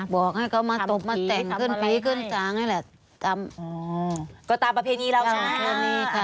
บอกให้เขามาตกมาแต่งขึ้นภีร์ขึ้นตาไงแหละอ๋อก็ตามประเภนีเราใช่ไหมใช่